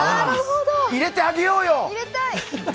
入れてあげようよ！